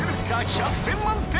１００点満点